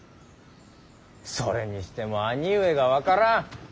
それにしても兄上が分からん。